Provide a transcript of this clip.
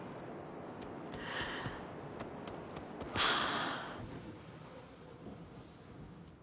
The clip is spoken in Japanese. はあ。